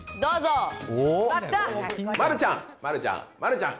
丸ちゃん、丸ちゃん、丸ちゃん。